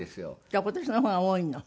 じゃあ今年の方が多いの？